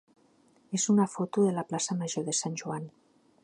és una foto de la plaça major de Sant Joan.